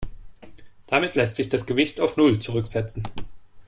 Damit lässt sich das Gewicht auf null zurücksetzen.